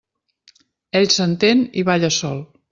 Ell s'entén i balla sol.